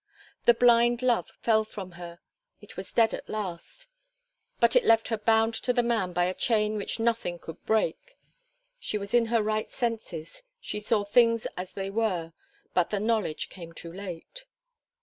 The blind love fell from her it was dead at last; but it left her bound to the man by a chain which nothing could break; she was in her right senses; she saw things as they were; but the knowledge came too late.